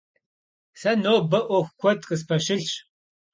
Сэ нобэ ӏуэху куэд къыспэщылъщ.